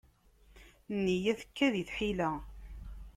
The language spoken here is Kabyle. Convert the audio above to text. Nneyya tekka di tḥila.